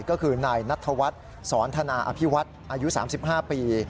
ก็คือนายนัทธวัฒน์สอนธนาอภิวัฒน์อายุ๓๕ปี